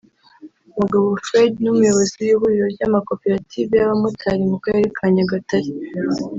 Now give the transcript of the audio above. Mugabo Fred umuyobozi w’ihuriro ry’amakoperative y’abamotari mu Karere ka Nyagatare